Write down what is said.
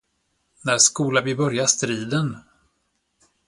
När skola vi börja striden.